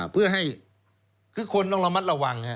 เพื่อให้คือคนต้องระมัดระวัง